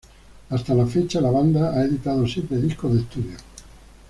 Hasta la fecha, la banda ha editado siete discos de estudio.